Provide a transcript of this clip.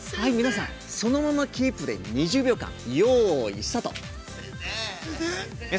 そのままキープで２０秒間、よーい、スタート！